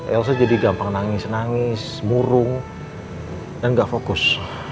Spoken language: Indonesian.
elsa jadi gampang nangis nangis murung dan gak fokus